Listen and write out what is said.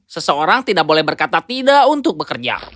seseorang tidak boleh berkata tidak untuk bekerja